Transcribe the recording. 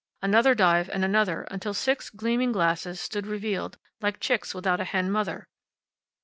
Another dive, and another, until six gleaming glasses stood revealed, like chicks without a hen mother.